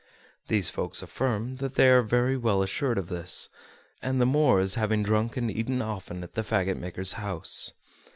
These folks affirm that they are very well assured of this, and the more as having drunk and eaten often at the fagot maker's house.